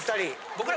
僕ら。